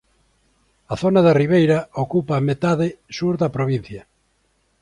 A zona da Ribeira ocupa a metade sur da provincia.